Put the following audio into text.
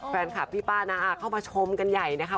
แฟนคลับพี่ป้านะเข้ามาชมกันใหญ่นะคะ